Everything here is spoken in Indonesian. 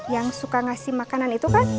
yang suka ngasih makanan itu kan